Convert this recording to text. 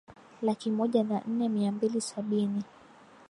laki moja na nne mia mbili sabini